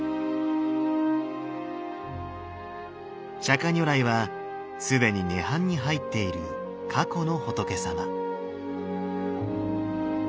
釈如来は既に涅槃に入っている過去の仏様。